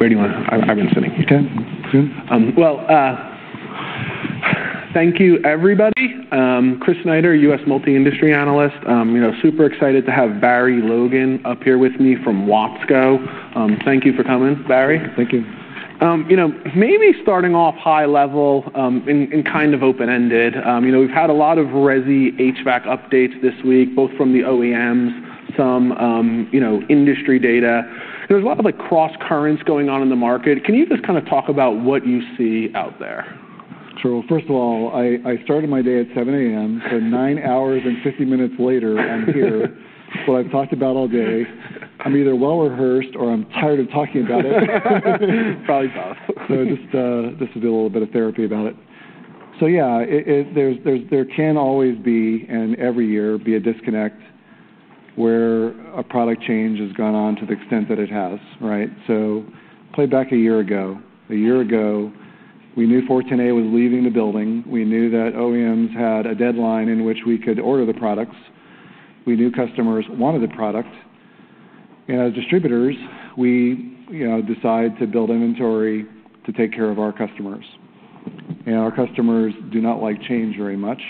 Ready when I'm sitting here. Thank you, everybody. Chris Hart, U.S. Multi-Industry Analyst. You know, super excited to have Barry S. Logan up here with me from Watsco Inc. Thank you for coming, Barry. Thank you. Maybe starting off high level and kind of open-ended, we've had a lot of resident HVAC updates this week, both from the OEMs, some industry data. There's a lot of cross-currents going on in the market. Can you just kind of talk about what you see out there? Sure. First of all, I started my day at 7:00 A.M., but nine hours and 50 minutes later, I'm here. I've talked about it all day. I'm either well rehearsed or I'm tired of talking about it. Probably both. Just to do a little bit of therapy about it. There can always be, and every year, be a disconnect where a product change has gone on to the extent that it has. Right. Play back a year ago. A year ago, we knew 410A was leaving the building. We knew that OEMs had a deadline in which we could order the products. We knew customers wanted the product. As distributors, we decide to build inventory to take care of our customers. Our customers do not like change very much.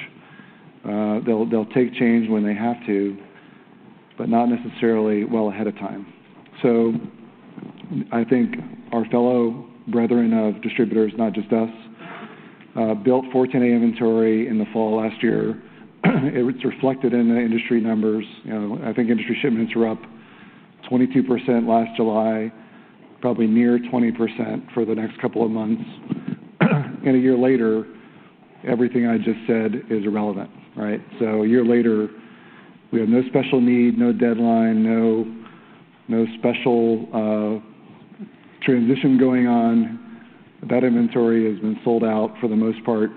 They'll take change when they have to, but not necessarily well ahead of time. I think our fellow brethren of distributors, not just us, built 410A inventory in the fall last year. It's reflected in the industry numbers. I think industry shipments were up 22% last July, probably near 20% for the next couple of months. A year later, everything I just said is irrelevant. Right. A year later, we have no special need, no deadline, no special transition going on. That inventory has been sold out for the most part.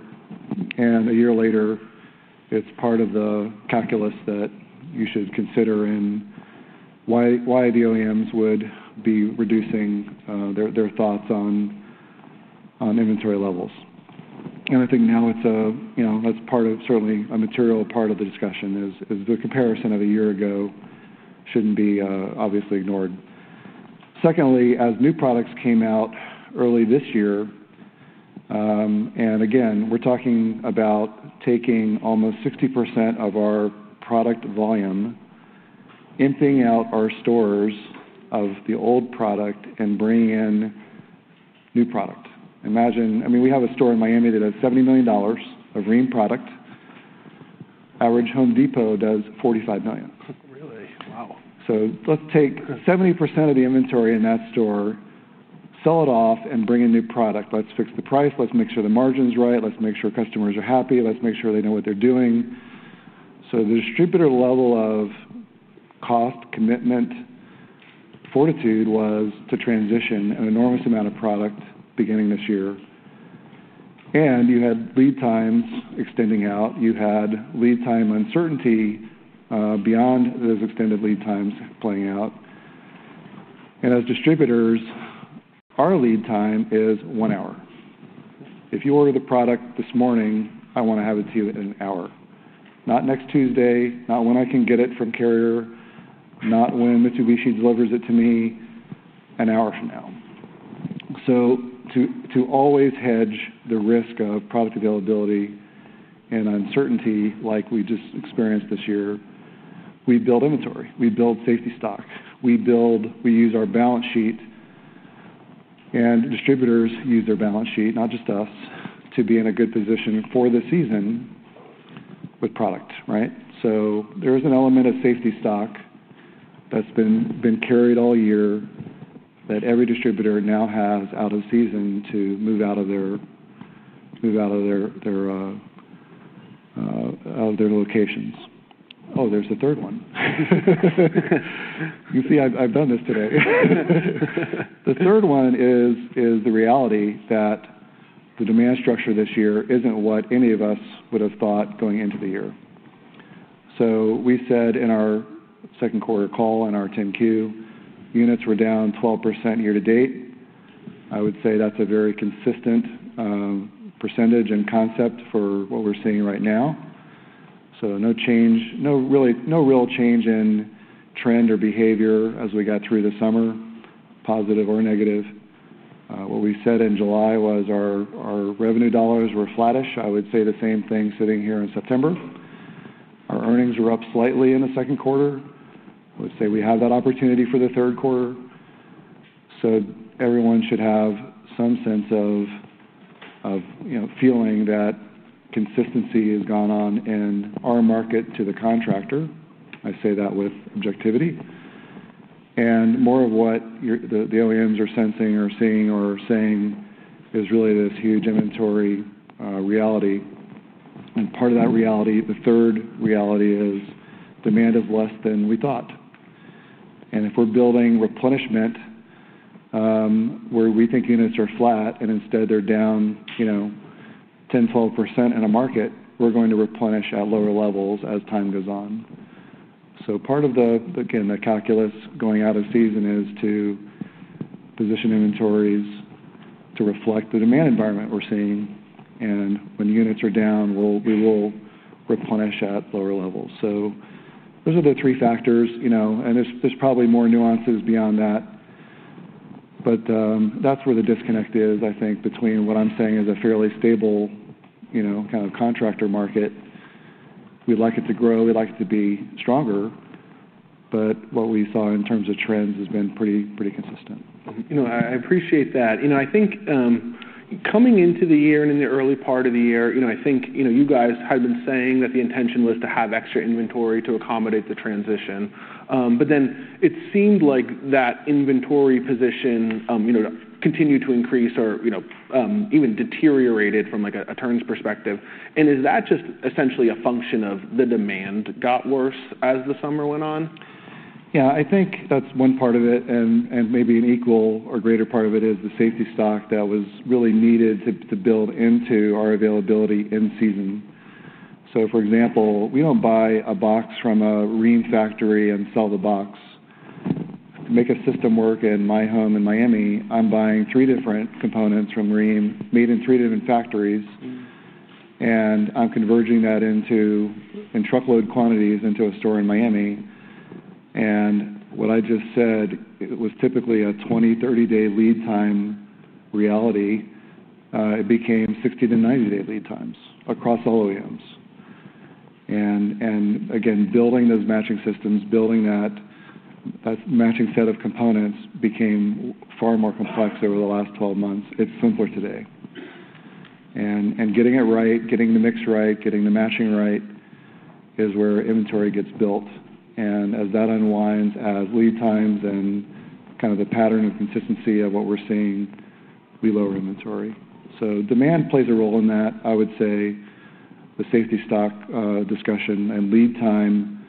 A year later, it's part of the calculus that you should consider why the OEMs would be reducing their thoughts on inventory levels. I think now that's certainly a material part of the discussion. The comparison of a year ago shouldn't be obviously ignored. Secondly, as new products came out early this year, and again, we're talking about taking almost 60% of our product volume, emptying out our stores of the old product and bringing in new product. Imagine, we have a store in Miami that had $70 million of Rheem product. Average Home Depot does $45 million. Really? Wow. Let's take 70% of the inventory in that store, sell it off, and bring in new product. Let's fix the price. Let's make sure the margin's right. Let's make sure customers are happy. Let's make sure they know what they're doing. The distributor level of cost commitment fortitude was to transition an enormous amount of product beginning this year. You had lead times extending out. You had lead time uncertainty beyond those extended lead times playing out. As distributors, our lead time is one hour. If you order the product this morning, I want to have it to you in an hour, not next Tuesday, not when I can get it from Carrier, not when Mitsubishi delivers it to me an hour from now. To always hedge the risk of product availability and uncertainty, like we just experienced this year, we build inventory, we build safety stock, we use our balance sheet. Distributors use their balance sheet, not just us, to be in a good position for the season with product. There is an element of safety stock that's been carried all year that every distributor now has out of season to move out of their locations. There's a third one. The third one is the reality that the demand structure this year isn't what any of us would have thought going into the year. We said in our second quarter call and our 10-Q units were down 12% year to date. I would say that's a very consistent percentage and concept for what we're seeing right now. No change, no real change in trend or behavior as we got through the summer, positive or negative. What we said in July was our revenue dollars were flattish. I would say the same thing sitting here in September. Our earnings were up slightly in the second quarter. I would say we have that opportunity for the third quarter. Everyone should have some sense of feeling that consistency has gone on in our market to the contractor. I say that with objectivity. More of what the OEMs are sensing or seeing or saying is really this huge inventory reality. Part of that reality, the third reality, is demand is less than we thought. If we're building replenishment where we think units are flat and instead they're down, you know, 10%, 12% in a market, we're going to replenish at lower levels as time goes on. Part of the calculus going out of season is to position inventories to reflect the demand environment we're seeing. When units are down, we will replenish at lower levels. Those are the three factors, and there's probably more nuances beyond that. That's where the disconnect is, I think, between what I'm saying is a fairly stable, kind of contractor market. We'd like it to grow. We'd like it to be stronger. What we saw in terms of trends has been pretty consistent. I appreciate that. I think coming into the year and in the early part of the year, I think you guys had been saying that the intention was to have extra inventory to accommodate the transition. It seemed like that inventory position continued to increase or even deteriorated from like an attorney's perspective. Is that just essentially a function of the demand got worse as the summer went on? I think that's one part of it. Maybe an equal or greater part of it is the safety stock that was really needed to build into our availability in season. For example, we don't buy a box from a Rheem factory and sell the box. To make a system work in my home in Miami, I'm buying three different components from Rheem made and treated in factories. I'm converging that into truckload quantities into a store in Miami. What I just said was typically a 20, 30-day lead time reality. It became 60 to 90-day lead times across all OEMs. Building those matching systems, building that matching set of components became far more complex over the last 12 months. It's simpler today. Getting it right, getting the mix right, getting the matching right is where inventory gets built. As that unwinds as lead times and the pattern of consistency of what we're seeing, we lower inventory. Demand plays a role in that. I would say the safety stock discussion and lead time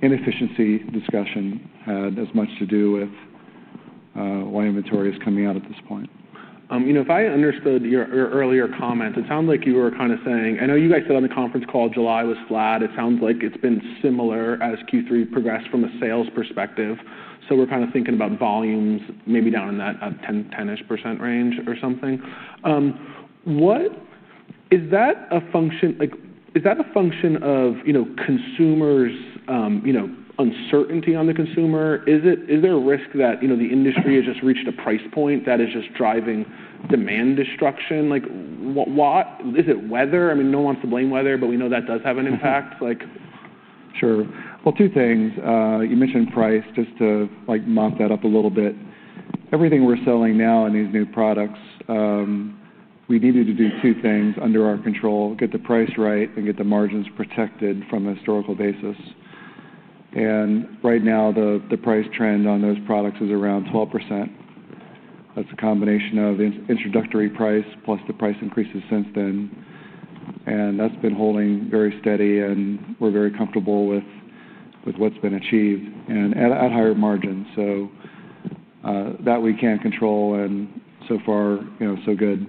inefficiency discussion had as much to do with why inventory is coming out at this point. If I understood your earlier comment, it sounds like you were kind of saying, I know you guys said on the conference call July was flat. It sounds like it's been similar as Q3 progressed from a sales perspective. We're kind of thinking about volumes maybe down in that 10% range or something. Is that a function of consumers, uncertainty on the consumer? Is there a risk that the industry has just reached a price point that is just driving demand destruction? What is it? Weather? No one wants to blame weather, but we know that does have an impact. Sure. Two things. You mentioned price, just to mop that up a little bit. Everything we're selling now in these new products, we needed to do two things under our control: get the price right and get the margins protected from a historical basis. Right now, the price trend on those products is around 12%. That's a combination of the introductory price plus the price increases since then. That's been holding very steady, and we're very comfortable with what's been achieved and at higher margins. That we can't control. So far, you know, so good.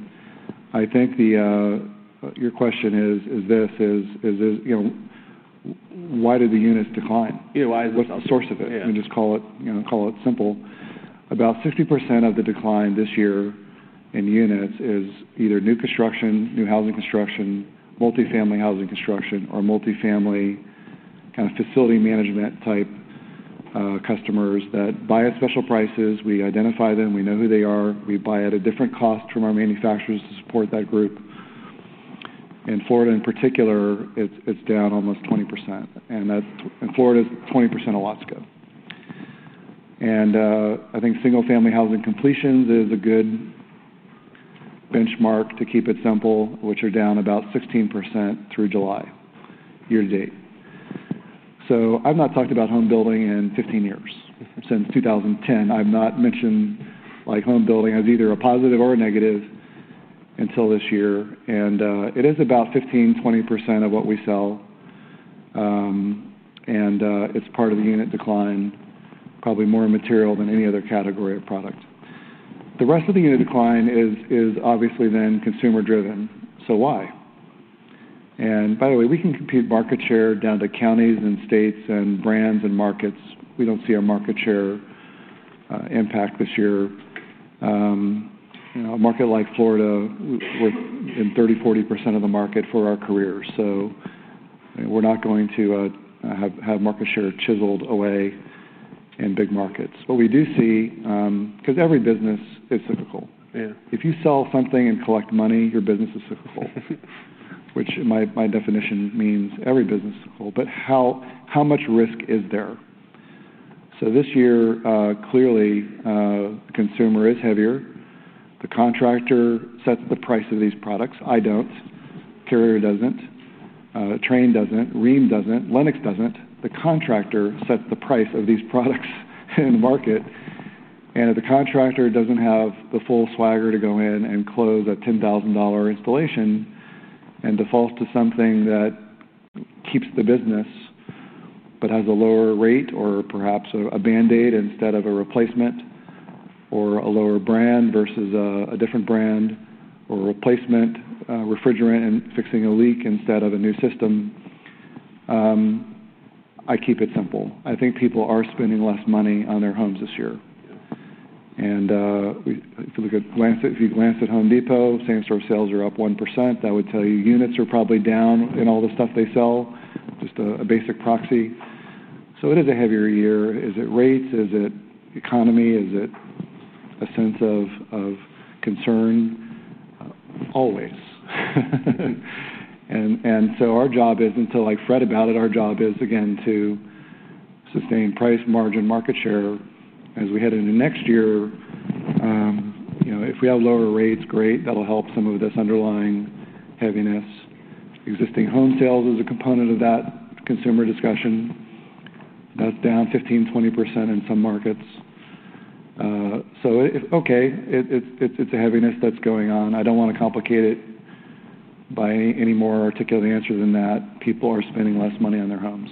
I think your question is, why did the units decline? What's the source of it? Call it simple. About 60% of the decline this year in units is either new construction, new housing construction, multifamily housing construction, or multifamily kind of facility management type customers that buy at special prices. We identify them. We know who they are. We buy at a different cost from our manufacturers to support that group. In Florida, in particular, it's down almost 20%. Florida is 20% of Watsco. I think single-family housing completions is a good benchmark to keep it simple, which are down about 16% through July year to date. I've not talked about home building in 15 years. Since 2010, I've not mentioned home building as either a positive or a negative until this year. It is about 15% to 20% of what we sell, and it's part of the unit decline, probably more material than any other category of product. The rest of the unit decline is obviously then consumer-driven. By the way, we can compete market share down to counties and states and brands and markets. We don't see a market share impact this year. In a market like Florida, we're in 30% to 40% of the market for our carriers. We're not going to have market share chiseled away in big markets. What we do see, because every business is cyclical, if you sell something and collect money, your business is cyclical, which in my definition means every business is cyclical. How much risk is there? This year, clearly, the consumer is heavier. The contractor sets the price of these products. I don't. Carrier doesn't. Trane doesn't. Rheem doesn't. Lennox doesn't. The contractor sets the price of these products in the market. If the contractor doesn't have the full swagger to go in and close a $10,000 installation and defaults to something that keeps the business but has a lower rate or perhaps a Band-Aid instead of a replacement or a lower brand versus a different brand or a replacement refrigerant and fixing a leak instead of a new system, I keep it simple. I think people are spending less money on their homes this year. If you glance at Home Depot, same store sales are up 1%. That would tell you units are probably down in all the stuff they sell, just a basic proxy. It is a heavier year. Is it rates? Is it economy? Is it a sense of concern? Always. Our job isn't to fret about it. Our job is, again, to sustain price, margin, market share. As we head into next year, if we have lower rates, great. That'll help some of this underlying heaviness. Existing home sales is a component of that consumer discussion. That's down 15% to 20% in some markets. It is a heaviness that's going on. I don't want to complicate it by any more articulate answer than that. People are spending less money on their homes.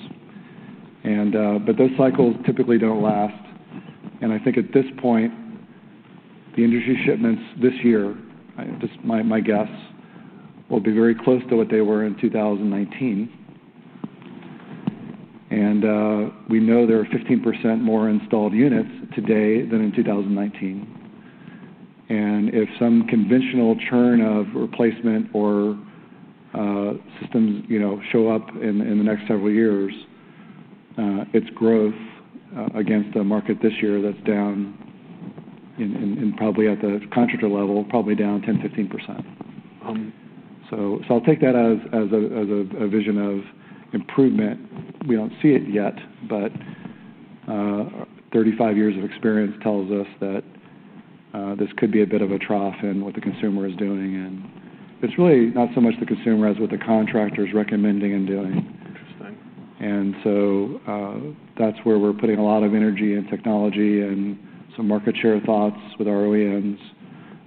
Those cycles typically don't last. I think at this point, the industry shipments this year, just my guess, will be very close to what they were in 2019. We know there are 15% more installed units today than in 2019. If some conventional churn of replacement or systems show up in the next several years, it's growth against the market this year that's down in probably at the contractor level, probably down 10% to 15%. I'll take that as a vision of improvement. We don't see it yet, but 35 years of experience tells us that this could be a bit of a trough in what the consumer is doing. It's really not so much the consumer as what the contractor is recommending and doing. Interesting. That's where we're putting a lot of energy and technology, and some market share thoughts with our OEMs,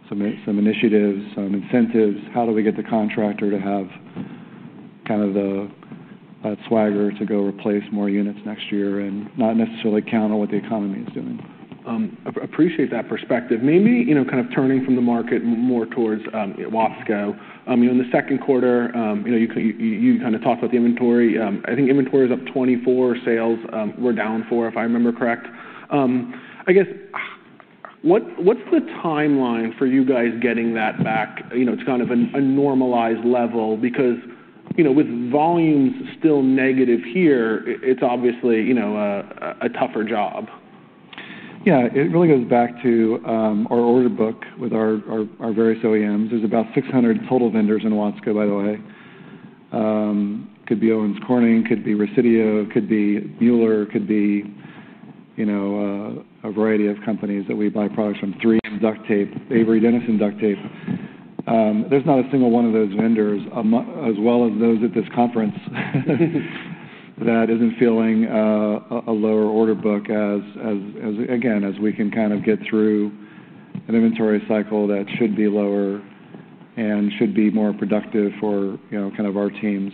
some initiatives, some incentives. How do we get the contractor to have kind of the swagger to go replace more units next year and not necessarily count on what the economy is doing? Appreciate that perspective. Maybe, you know, kind of turning from the market more towards Watsco Inc. In the second quarter, you know, you kind of talked about the inventory. I think inventory is up 24%. Sales were down 4%, if I remember correct. I guess, what's the timeline for you guys getting that back, you know, to kind of a normalized level? Because, you know, with volumes still negative here, it's obviously, you know, a tougher job. Yeah, it really goes back to our order book with our various OEMs. There's about 600 total vendors in Watsco, by the way. Could be Owens Corning, could be Resideo, could be Mueller, could be, you know, a variety of companies that we buy products from. 3M Duct Tape, Avery Dennison Duct Tape. There's not a single one of those vendors, as well as those at this conference, that isn't feeling a lower order book as, again, as we can kind of get through an inventory cycle that should be lower and should be more productive for, you know, kind of our teams.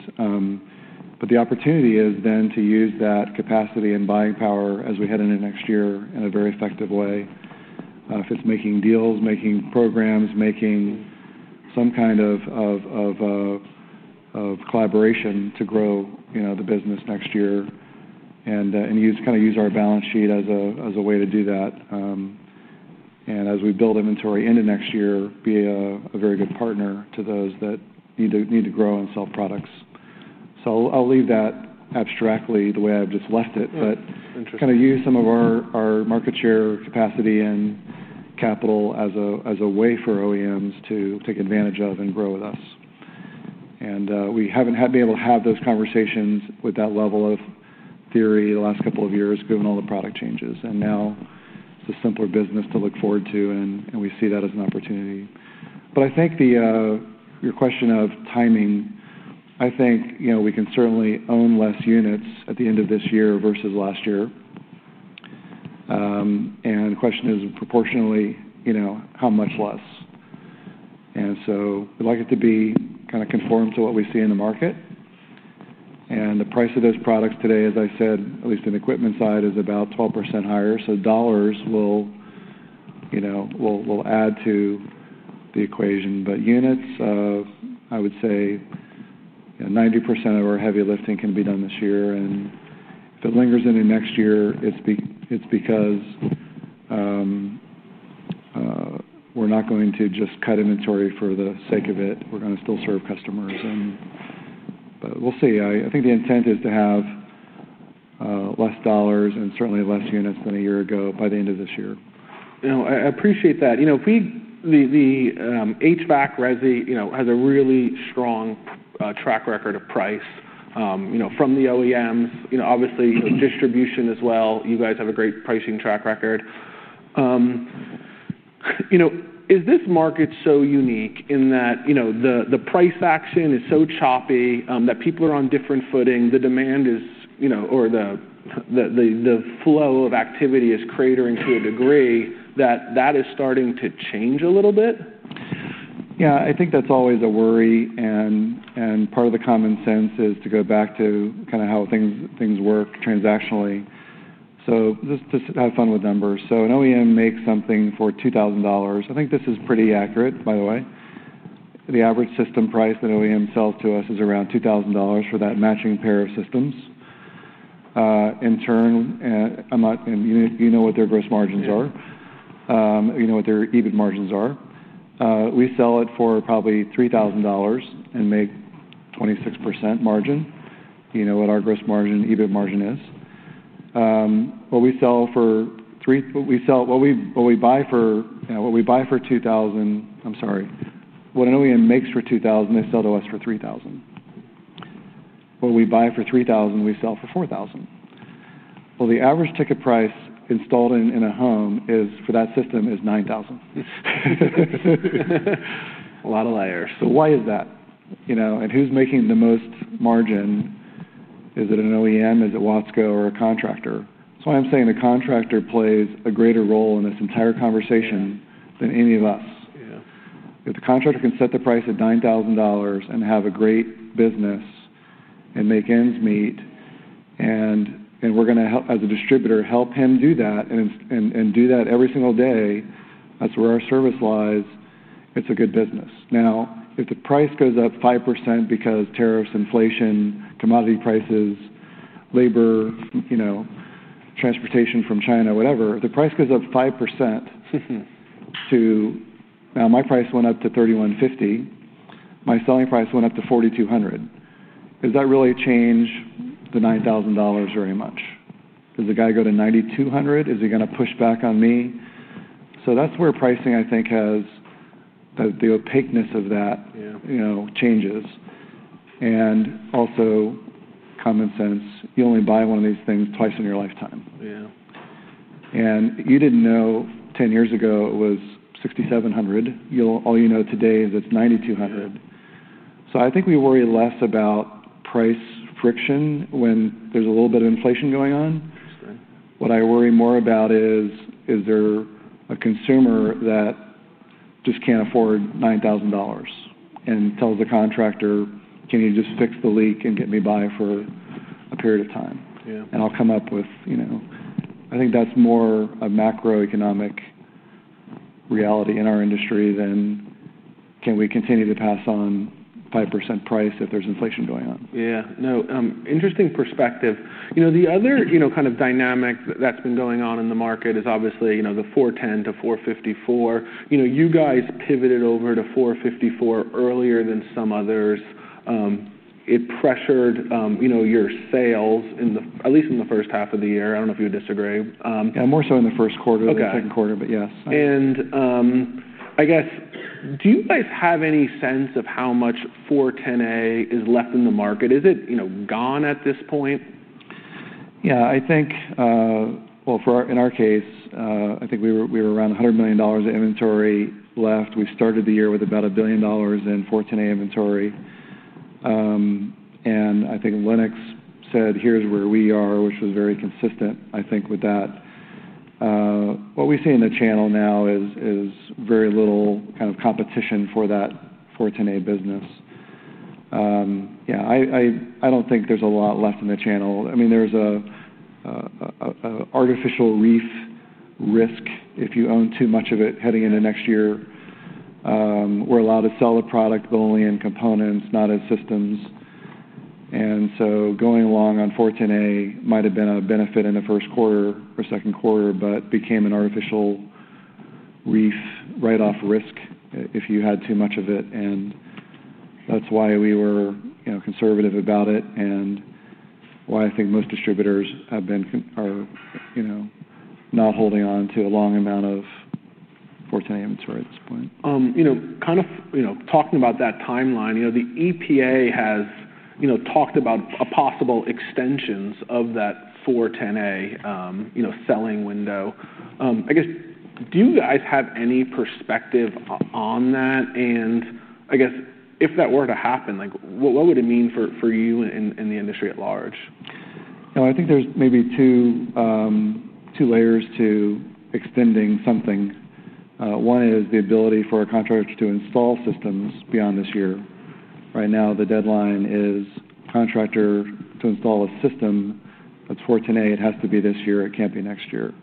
The opportunity is then to use that capacity and buying power as we head into next year in a very effective way. If it's making deals, making programs, making some kind of collaboration to grow, you know, the business next year and kind of use our balance sheet as a way to do that. As we build inventory into next year, be a very good partner to those that need to grow and sell products. I'll leave that abstractly the way I've just left it, but kind of use some of our market share capacity and capital as a way for OEMs to take advantage of and grow with us. We haven't had to be able to have those conversations with that level of theory the last couple of years, given all the product changes. Now it's a simpler business to look forward to, and we see that as an opportunity. I think your question of timing, I think, you know, we can certainly own less units at the end of this year versus last year. The question is proportionately, you know, how much less? We'd like it to be kind of conformed to what we see in the market. The price of those products today, as I said, at least in the equipment side, is about 12% higher. Dollars will, you know, will add to the equation. Units of, I would say, you know, 90% of our heavy lifting can be done this year. If it lingers into next year, it's because we're not going to just cut inventory for the sake of it. We're going to still serve customers. We'll see. I think the intent is to have less dollars and certainly less units than a year ago by the end of this year. No, I appreciate that. If we, the HVAC resi, has a really strong track record of price from the OEM, obviously distribution as well. You guys have a great pricing track record. Is this market so unique in that the price action is so choppy that people are on different footing? The demand is, or the flow of activity is cratering to a degree that that is starting to change a little bit? I think that's always a worry. Part of the common sense is to go back to how things work transactionally. Just to have fun with numbers, an OEM makes something for $2,000. I think this is pretty accurate, by the way. The average system price that OEM sells to us is around $2,000 for that matching pair of systems. I'm not, you know, what their gross margins are. You know what their EBIT margins are. We sell it for probably $3,000 and make 26% margin. You know what our gross margin, EBIT margin is. What we sell for three, what we sell, what we buy for, what we buy for $2,000. I'm sorry. What an OEM makes for $2,000, they sell to us for $3,000. What we buy for $3,000, we sell for $4,000. The average ticket price installed in a home for that system is $9,000. A lot of layers. Why is that? Who's making the most margin? Is it an OEM? Is it Watsco or a contractor? That's why I'm saying the contractor plays a greater role in this entire conversation than any of us. Yeah. If the contractor can set the price at $9,000 and have a great business and make ends meet, and we're going to help, as a distributor, help him do that and do that every single day, that's where our service lies. It's a good business. Now, if the price goes up 5% because tariffs, inflation, commodity prices, labor, you know, transportation from China, whatever, if the price goes up 5% to now my price went up to $3,150. My selling price went up to $4,200. Does that really change the $9,000 very much? Does the guy go to $9,200? Is he going to push back on me? That's where pricing, I think, has the opaqueness of that, you know, changes. Also, common sense. You only buy one of these things twice in your lifetime. Yeah. You didn't know 10 years ago it was $6,700. All you know today is it's $9,200. I think we worry less about price friction when there's a little bit of inflation going on. Interesting. What I worry more about is, is there a consumer that just can't afford $9,000 and tells the contractor, can you just fix the leak and get me by for a period of time? Yeah. I think that's more a macroeconomic reality in our industry than can we continue to pass on 5% price if there's inflation going on? Interesting perspective. The other dynamic that's been going on in the market is obviously the 410A to 454. You guys pivoted over to 454 earlier than some others. It pressured your sales, at least in the first half of the year. I don't know if you disagree. Yeah, more so in the first quarter than the second quarter, but yes. Do you guys have any sense of how much 410A is left in the market? Is it, you know, gone at this point? I think, in our case, we were around $100 million in inventory left. We started the year with about $1 billion in 410A inventory. I think Lennox said, here's where we are, which was very consistent, I think, with that. What we see in the channel now is very little kind of competition for that 410A business. I don't think there's a lot left in the channel. I mean, there's an artificial writedown risk if you own too much of it heading into next year. We're allowed to sell the product, but only in components, not as systems. Going long on 410A might have been a benefit in the first quarter or second quarter, but became an artificial writedown risk if you had too much of it. That's why we were conservative about it and why I think most distributors have been, are, not holding on to a long amount of 410A inventory at this point. Kind of talking about that timeline, the EPA has talked about possible extensions of that 410A selling window. Do you guys have any perspective on that? If that were to happen, what would it mean for you and the industry at large? I think there's maybe two layers to extending something. One is the ability for a contractor to install systems beyond this year. Right now, the deadline is a contractor to install a system that's 410A. It has to be this year. It can't be next year.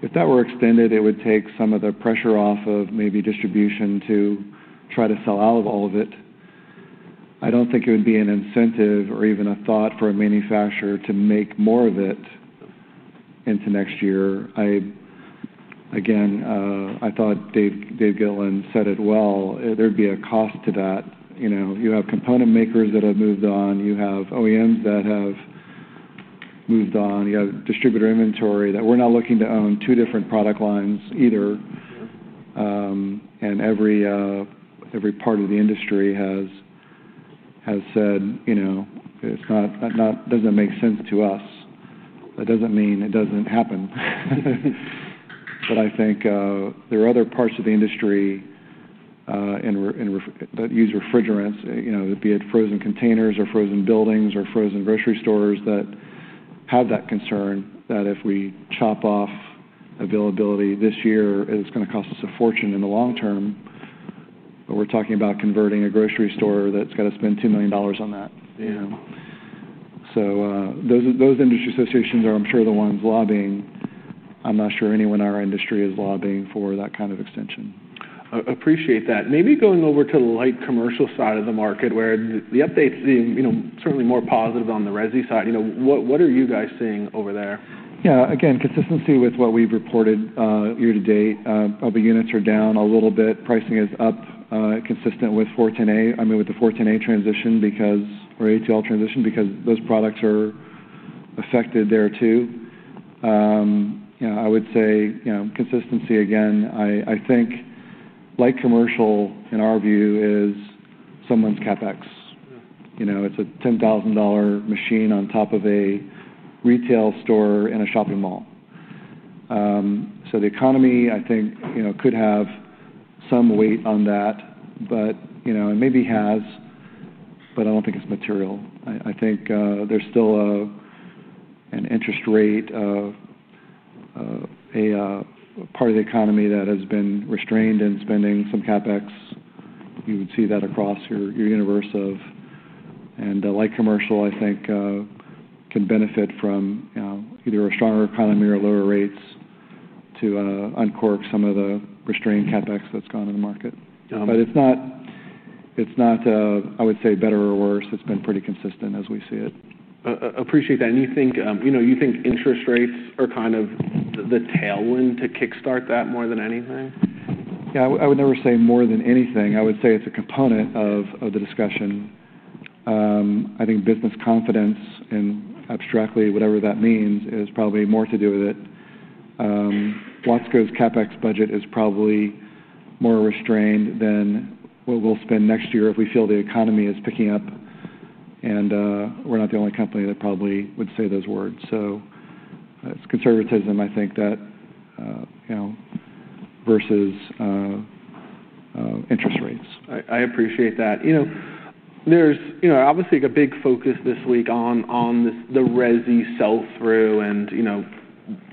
If that were extended, it would take some of the pressure off of maybe distribution to try to sell out of all of it. I don't think it would be an incentive or even a thought for a manufacturer to make more of it into next year. I thought David Galison said it well. There'd be a cost to that. You have component makers that have moved on. You have OEMs that have moved on. You have distributor inventory that we're not looking to own two different product lines either. Every part of the industry has said it's not, doesn't make sense to us. That doesn't mean it doesn't happen. I think there are other parts of the industry that use refrigerants, be it frozen containers or frozen buildings or frozen grocery stores, that have that concern that if we chop off availability this year, it's going to cost us a fortune in the long term. We're talking about converting a grocery store that's got to spend $2 million on that. Yeah. Those industry associations are, I'm sure, the ones lobbying. I'm not sure anyone in our industry is lobbying for that kind of extension. Appreciate that. Maybe going over to the light commercial side of the market, where the updates, you know, certainly more positive on the resi side, what are you guys seeing over there? Yeah, again, consistency with what we've reported year to date. Probably units are down a little bit. Pricing is up consistent with 410A. I mean, with the 410A transition because those products are affected there too. Yeah, I would say consistency again. I think light commercial in our view is someone's CapEx. It's a $10,000 machine on top of a retail store in a shopping mall. The economy, I think, could have some weight on that, and maybe has, but I don't think it's material. I think there's still an interest rate of a part of the economy that has been restrained in spending some CapEx. You would see that across your universe of, and the light commercial, I think, can benefit from either a stronger economy or lower rates to uncork some of the restrained CapEx that's gone in the market. It's not better or worse. It's been pretty consistent as we see it. Appreciate that. Do you think interest rates are kind of the tailwind to kickstart that more than anything? Yeah, I would never say more than anything. I would say it's a component of the discussion. I think business confidence and, abstractly, whatever that means, is probably more to do with it. Watsco's CapEx budget is probably more restrained than what we'll spend next year if we feel the economy is picking up. We're not the only company that probably would say those words. It's conservatism, I think, versus interest rates. I appreciate that. Obviously, the big focus this week is on the resi sell-through and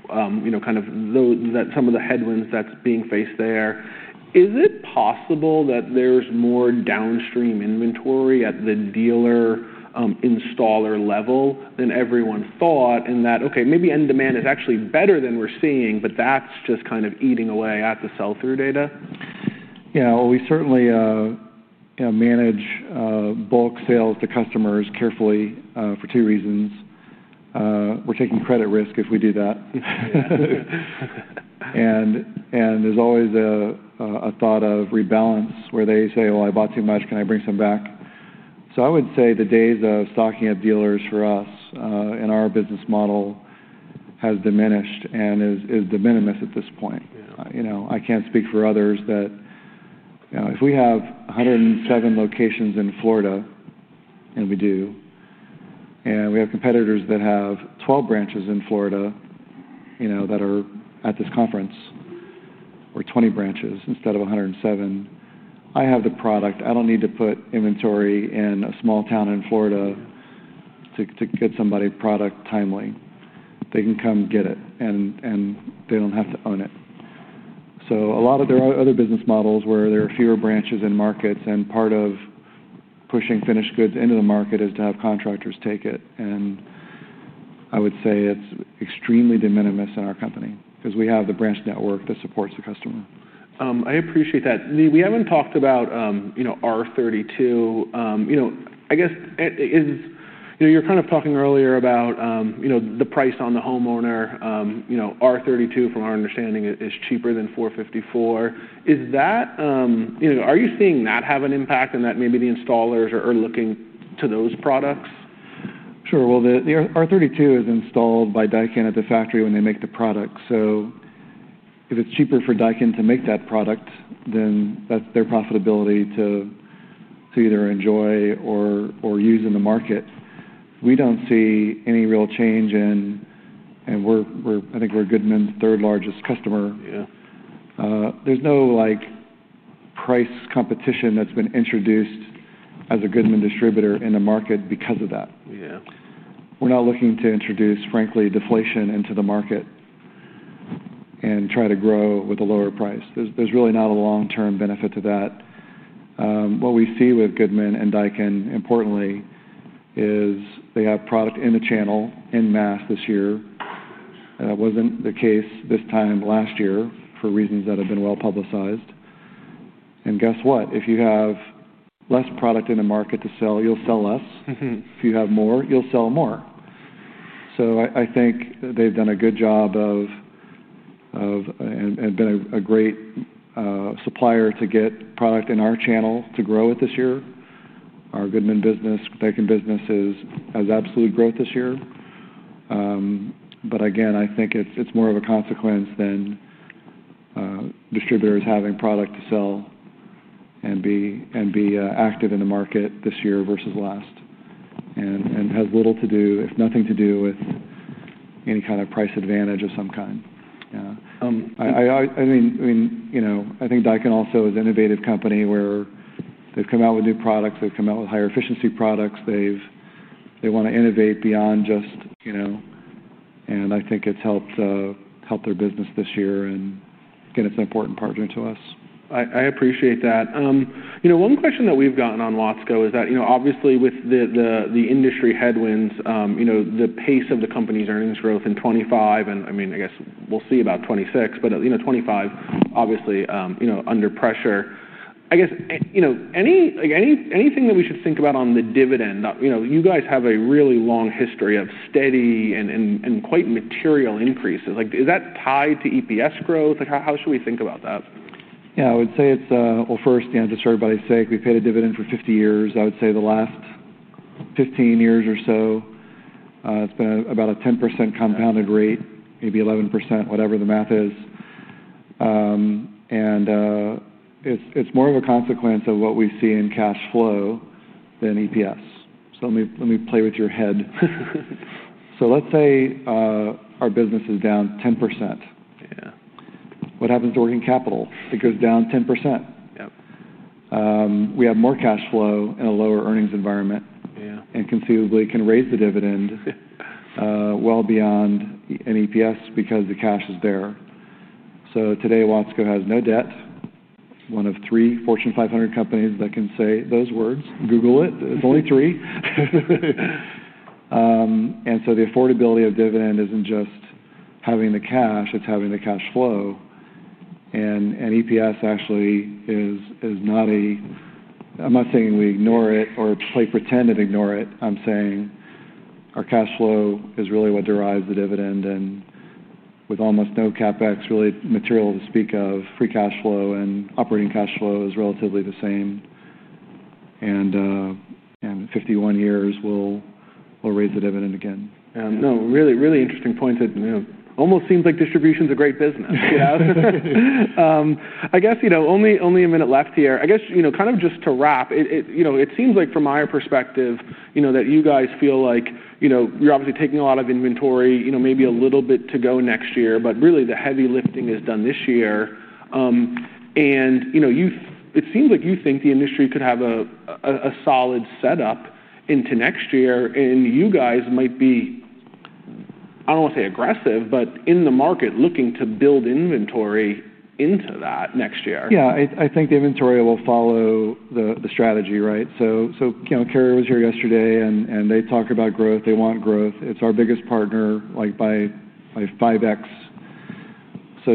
some of the headwinds that's being faced there. Is it possible that there's more downstream inventory at the dealer-installer level than everyone thought? Maybe end demand is actually better than we're seeing, but that's just kind of eating away at the sell-through data? Yeah, we certainly manage bulk sales to customers carefully for two reasons. We're taking credit risk if we do that, and there's always a thought of rebalance where they say, I bought too much. Can I bring some back? I would say the days of stocking up dealers for us in our business model have diminished and are de minimis at this point. I can't speak for others. If we have 107 locations in Florida, and we do, and we have competitors that have 12 branches in Florida that are at this conference, or 20 branches instead of 107, I have the product. I don't need to put inventory in a small town in Florida to get somebody product timely. They can come get it, and they don't have to own it. There are other business models where there are fewer branches in markets, and part of pushing finished goods into the market is to have contractors take it. I would say it's extremely de minimis in our company because we have the branch network that supports the customer. I appreciate that. We haven't talked about, you know, R32. I guess you're kind of talking earlier about, you know, the price on the homeowner. R32, from our understanding, is cheaper than 454. Is that, you know, are you seeing that have an impact and that maybe the installers are looking to those products? Sure. The R32 is installed by Daikin at the factory when they make the product. If it's cheaper for Daikin to make that product, then that's their profitability to either enjoy or use in the market. We don't see any real change in, and I think we're Goodman's third largest customer. Yeah. There's no price competition that's been introduced as a Goodman distributor in the market because of that. Yeah. We're not looking to introduce, frankly, deflation into the market and try to grow with a lower price. There's really not a long-term benefit to that. What we see with Goodman and Daikin, importantly, is they have product in the channel en masse this year. That wasn't the case this time last year for reasons that have been well publicized. If you have less product in the market to sell, you'll sell less. If you have more, you'll sell more. I think they've done a good job of, and been a great supplier to get product in our channel to grow it this year. Our Goodman business, Daikin business has absolute growth this year. I think it's more of a consequence than distributors having product to sell and be active in the market this year versus last and have little to do, if nothing to do with any kind of price advantage of some kind. Yeah. I think Daikin also is an innovative company where they've come out with new products. They've come out with higher efficiency products. They want to innovate beyond just, you know, and I think it's helped their business this year. It's an important partner to us. I appreciate that. One question that we've gotten on Watsco is that, obviously with the industry headwinds, the pace of the company's earnings growth in 2025, and I mean, I guess we'll see about 2026, but 2025, obviously, under pressure. I guess, anything that we should think about on the dividend, you guys have a really long history of steady and quite material increases. Is that tied to EPS growth? How should we think about that? Yeah, I would say it's, first, you know, just for everybody's sake, we've paid a dividend for 50 years. I would say the last 15 years or so, it's been about a 10% compounded rate, maybe 11%, whatever the math is. It's more of a consequence of what we see in cash flow than EPS. Let me play with your head. Let's say our business is down 10%. Yeah. What happens to working capital? It goes down 10%. Yep. We have more cash flow in a lower earnings environment. Yeah. Conceivably can raise the dividend well beyond an EPS because the cash is there. Today, Watsco Inc. has no debt. One of three Fortune 500 companies that can say those words. Google it. It's only three. The affordability of dividend isn't just having the cash. It's having the cash flow. EPS actually is not a, I'm not saying we ignore it or play pretend and ignore it. I'm saying our cash flow is really what derives the dividend. With almost no CapEx, really material to speak of, free cash flow and operating cash flow is relatively the same. In 51 years, we'll raise the dividend again. Yeah, no, really, really interesting points. It almost seems like distribution is a great business. I guess, you know, only a minute left here. I guess, you know, kind of just to wrap, it seems like from our perspective that you guys feel like you're obviously taking a lot of inventory, maybe a little bit to go next year, but really the heavy lifting is done this year. It seems like you think the industry could have a solid setup into next year. You guys might be, I don't want to say aggressive, but in the market looking to build inventory into that next year. Yeah, I think the inventory will follow the strategy, right? Carrier was here yesterday and they talk about growth. They want growth. It's our biggest partner, like by 5X.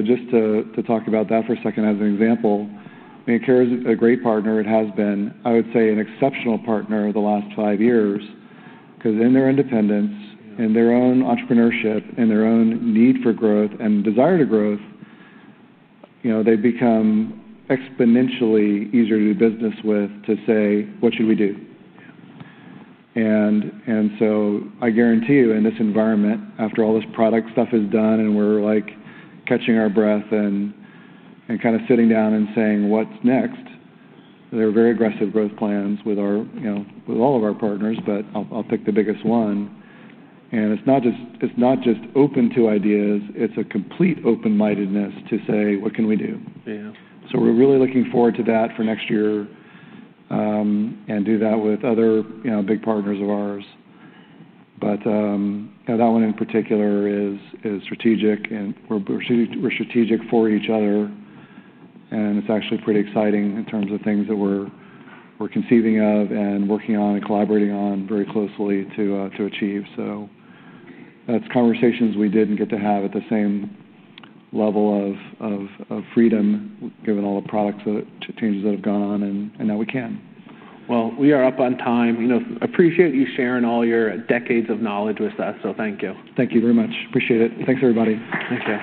Just to talk about that for a second as an example, I mean, Carrier is a great partner. It has been, I would say, an exceptional partner the last five years because in their independence, in their own entrepreneurship, in their own need for growth and desire to grow, they've become exponentially easier to do business with to say, what should we do? I guarantee you in this environment, after all this product stuff is done and we're catching our breath and kind of sitting down and saying, what's next? There are very aggressive growth plans with all of our partners, but I'll pick the biggest one. It's not just open to ideas. It's a complete open-mindedness to say, what can we do? Yeah. We are really looking forward to that for next year and do that with other, you know, big partners of ours. That one in particular is strategic and we are strategic for each other. It is actually pretty exciting in terms of things that we are conceiving of and working on and collaborating on very closely to achieve. That is conversations we did not get to have at the same level of freedom given all the product changes that have gone on and now we can. I appreciate you sharing all your decades of knowledge with us. Thank you. Thank you very much. Appreciate it. Thanks, everybody. Thanks, guys.